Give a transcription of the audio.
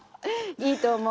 いいと思う。